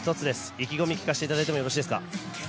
意気込みを聞かせていただいてもいいですか。